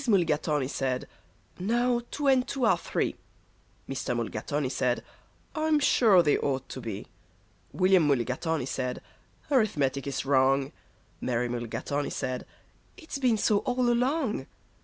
Mulligatawny said, "Now two and two are three." Mr. Mulligatawny said, "I'm sure they ought to be." William Mulligatawny said, "Arithmetic is wrong." Mary Mulligatawny said, "It's been so all along."